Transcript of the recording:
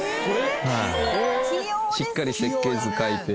しっかり設計図描いて。